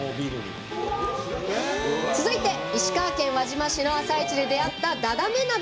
続いて石川県輪島市の朝市で出会ったダダメ鍋。